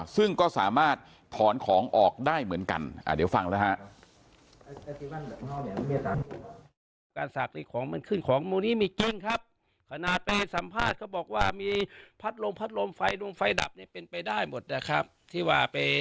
ซึ่งก็สามารถถอนของออกได้เหมือนกันเดี๋ยวฟังแล้วฮะ